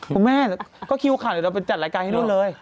คุณแม่ก็คิวข่าวเดี๋ยวเราไปจัดรายการให้นู่นเลย